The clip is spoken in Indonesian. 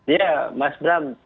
iya mas bram